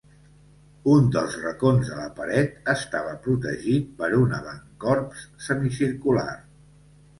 Un dels racons de la paret estava protegit per un avant-corps semicircular.